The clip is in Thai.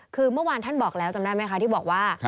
คือเมื่อวานท่านบอกแล้วจำได้ไหมคะที่บอกว่า